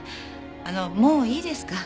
あのもういいですか？